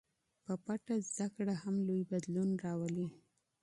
په پټه زده کړه هم لوی بدلون راولي.